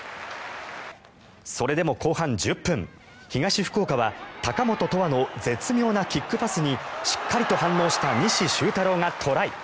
それでも後半１０分東福岡は高本とわの絶妙なキックパスにしっかりと反応した西柊太郎がトライ。